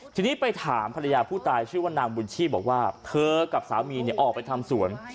ทีนี้ไปถามภรรยาผู้ตายชื่อว่านางบุญชีพบอกว่าเธอกับสามีออกไปทำสวน